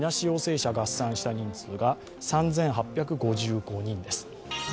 陽性者を足した人数が３８５５人です。